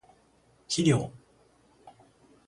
肥料